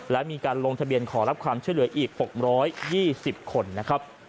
และมีการลงทะเบียนขอรับความช่วยเหลืออีก๖๒๐คนนะครับ